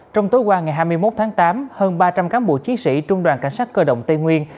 trong tối qua ngày hai mươi một tháng tám hơn ba trăm linh cán bộ chiến sĩ trung đoàn cảnh sát cơ động tây nguyên